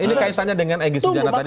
ini kaitannya dengan egy sujana tadi